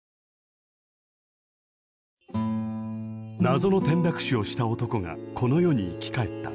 謎の転落死をした男がこの世に生き返った。